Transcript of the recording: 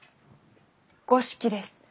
五色です。